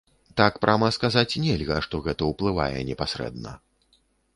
Так прама сказаць нельга, што гэта ўплывае непасрэдна.